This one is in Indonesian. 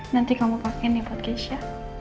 nanti kamu pake nih buat keisha